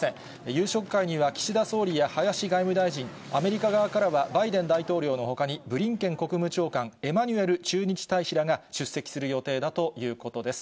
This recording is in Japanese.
夕食会には、岸田総理や林外務大臣、アメリカ側からは、バイデン大統領のほかに、ブリンケン国務長官、エマニュエル駐日大使らが出席する予定だということです。